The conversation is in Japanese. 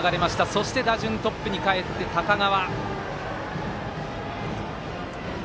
そして打順トップにかえって高川。